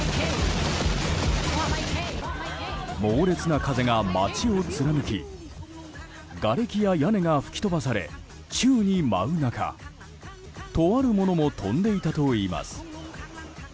猛烈な風が街を貫きがれきや屋根が吹き飛ばされ宙に舞う中とあるものも飛んでいたといいます。